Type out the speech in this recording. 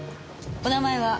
お名前は？